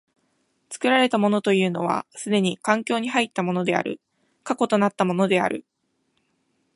作られたものというのは既に環境に入ったものである、過去となったものである。